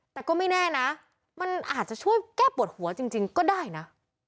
แต่ก็ไม่แน่นะมันอาจจะช่วยแก้ปวดหัวจริงก็ได้นะ